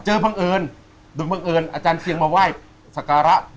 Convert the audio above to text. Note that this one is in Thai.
บังเอิญโดยบังเอิญอาจารย์เชียงมาไหว้สการะ